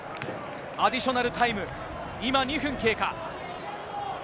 アディショナルタイム、今、２分経過。